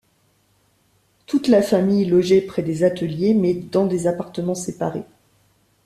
Toute la famille logeait près des ateliers mais dans des appartements séparés.